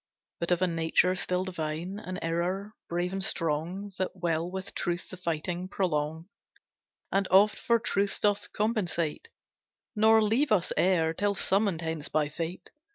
But of a nature, still divine, An error brave and strong, That will with truth the fight prolong, And oft for truth doth compensate; Nor leave us e'er, till summoned hence by Fate.